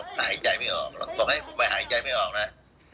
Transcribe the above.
ผมหายใจไม่ออกต้องให้ผมไปหายใจไม่ออกนะฮะ